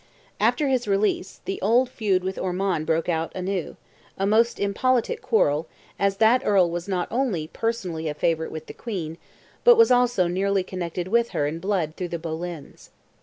After his release, the old feud with Ormond broke out anew—a most impolitic quarrel, as that Earl was not only personally a favourite with the Queen, but was also nearly connected with her in blood through the Boleyns.